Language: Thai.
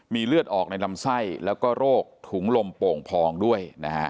มีเลือดออกในลำไส้แล้วก็โรคถุงลมโป่งพองด้วยนะฮะ